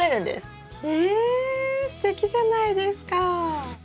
えっすてきじゃないですか！